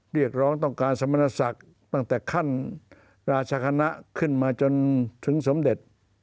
เรียกร้องต้องการสมณศักดิ์ตั้งแต่ขั้นราชคณะขึ้นมาจนถึงสมเด็จ